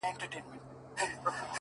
• نه ادا سول د سرکار ظالم پورونه,